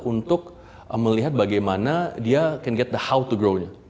untuk melihat bagaimana dia can gate the how to grow nya